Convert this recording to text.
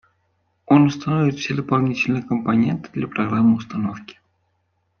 Он установит все дополнительные компоненты для программы установки